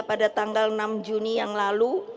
pada tanggal enam juni yang lalu